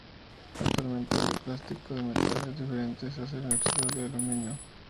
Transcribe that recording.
Actualmente hay de plástico y de metales diferentes: acero inoxidable, aluminio.